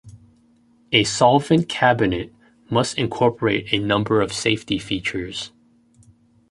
A solvent cabinet must incorporate a number of safety features.